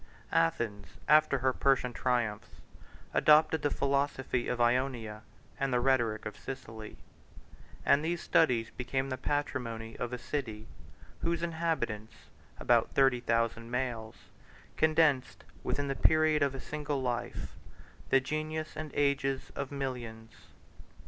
Athens, after her Persian triumphs, adopted the philosophy of Ionia and the rhetoric of Sicily; and these studies became the patrimony of a city, whose inhabitants, about thirty thousand males, condensed, within the period of a single life, the genius of ages and millions.